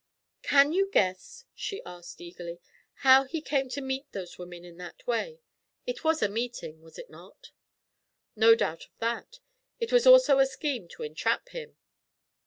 'Can you guess,' she asked eagerly, 'how he came to meet those women in that way? It was a meeting, was it not?' 'No doubt of that; and it was also a scheme to entrap him.'